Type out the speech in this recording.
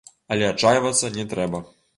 Але адчайвацца не трэба.